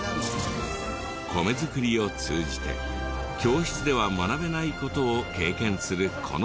米作りを通じて教室では学べない事を経験するこの授業。